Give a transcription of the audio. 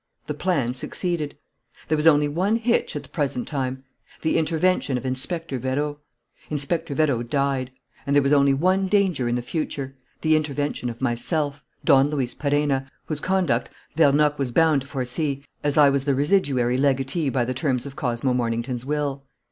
The plan succeeded. "There was only one hitch at the present time: the intervention of Inspector Vérot. Inspector Vérot died. And there was only one danger in the future: the intervention of myself, Don Luis Perenna, whose conduct Vernocq was bound to foresee, as I was the residuary legatee by the terms of Cosmo Mornington's will.